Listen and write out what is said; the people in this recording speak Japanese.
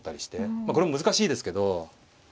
まあこれも難しいですけど。